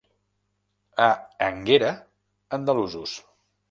A Énguera, andalusos.